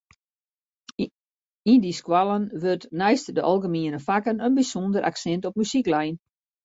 Yn dy skoallen wurdt neist de algemiene fakken in bysûnder aksint op muzyk lein.